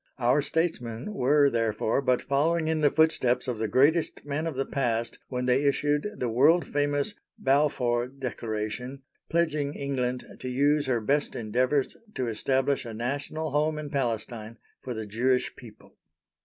Our statesmen were, therefore, but following in the footsteps of the greatest men of the past when they issued the world famous Balfour Declaration pledging England to use her best endeavours to establish a National Home in Palestine for the Jewish people.